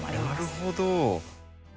なるほど。